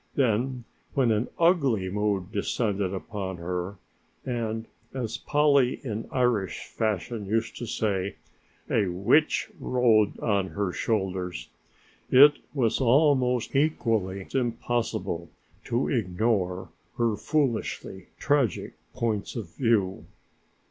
Then when an ugly mood descended upon her, and, as Polly in Irish fashion used to say, "a witch rode on her shoulders," it was almost equally impossible to ignore her foolishly tragic points of view.